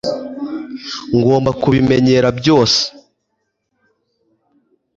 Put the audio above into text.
ngomba kubimenyera byose